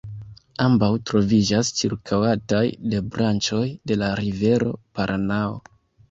Ambaŭ troviĝas ĉirkaŭataj de branĉoj de la rivero Paranao.